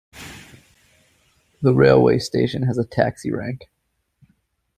The railway station has a taxi rank.